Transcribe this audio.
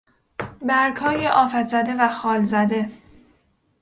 برگهای آفت زده و خال زده